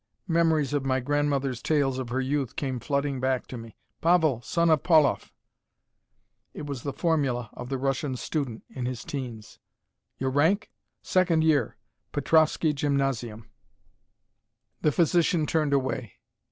Memories of my grandmother's tales of her youth came flooding back to me. "Pavel, son of Pauloff." It was the formula of the Russian student, in his teens. "Your rank?" "Second year. Petrovski Gymnasium." The physician turned away.